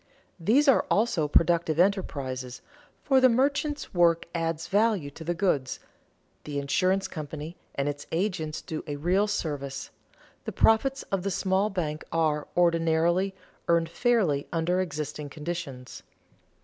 These are also productive enterprises, for the merchant's work adds value to the goods, the insurance company and its agent do a real service, the profits of the small bank are, ordinarily, earned fairly under existing conditions.